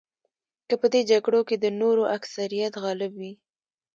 که په دې جګړو کې د نورو اکثریت غالب وي.